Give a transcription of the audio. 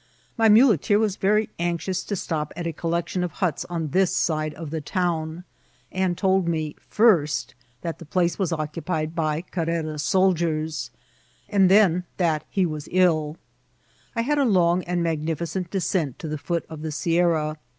My nraleteer was Tery anxious to stop at a collection of huts on this side of the town, and told me first that the place was occiqpied by Carrera's soldiers, and then that he was ill. I had a long and magnificent descent to the foot of the Sierra.